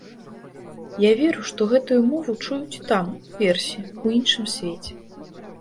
Я веру, што гэтую мову чуюць і там, уверсе, у іншым свеце.